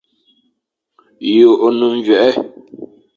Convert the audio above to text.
Ye o ne mwague.